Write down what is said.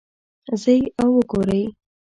ځئ او وګورئ